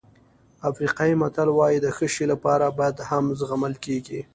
افریقایي متل وایي د ښه شی لپاره بد هم زغمل کېږي.